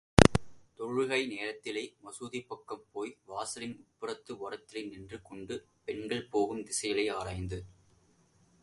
தொழுகை நேரத்திலே மசூதிப்பக்கம் போய், வாசலின் உட்புறத்து ஓரத்திலே நின்று கொண்டு, பெண்கள் போகும் திசையிலே ஆராய்ந்து கொண்டிருப்பான்.